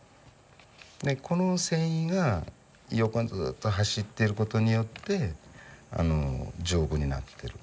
この繊維が横にずっと走ってる事によって丈夫になってる。